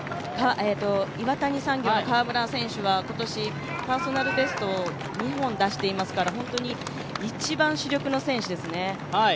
川村選手は今年パーソナルベストを２本出していますから、本当に一番主力の選手ですね。